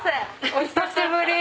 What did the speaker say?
お久しぶり。